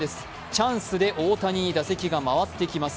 チャンスで大谷に打席が回ってきます。